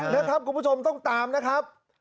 นะครับคุณผู้ชมต้องตามนะครับ